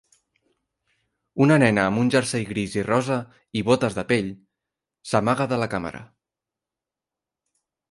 Una nena amb un jersei gris i rosa, i botes de pell, s'amaga de la càmera.